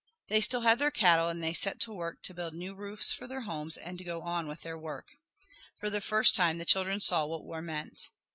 They still had their cattle, and they set to work to build new roofs for their homes and go on with their work. For the first time the children saw what war meant.